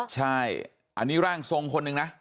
ใช่อันนี้ร่างทรงคนหนึ่งนะ